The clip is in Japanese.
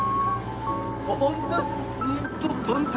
本当！？